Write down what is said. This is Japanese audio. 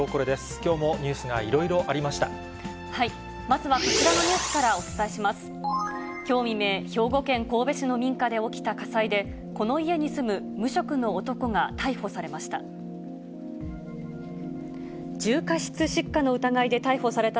きょう未明、兵庫県神戸市の民家で起きた火災で、この家に住む無職の男が逮捕されました。